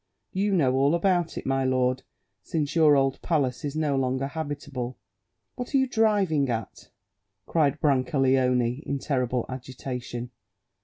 You know all about it, my lord, since your old palace is no longer habitable." "What are you driving at?" cried Brancaleone in terrible agitation.